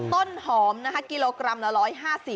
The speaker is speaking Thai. ต้นหอมนะครับกิโลกรัมละ๑๕๐